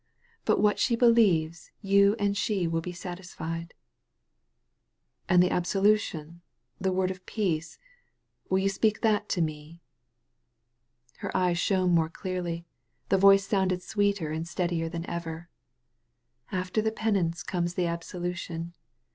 Be what she believes you and she will be satisfied." "And the absolution, the word of peace? Will you speak that to me?" Her eyes shone more clearly; the voice sounded sweeter and steadier than ever. "After the penance comes the absolution.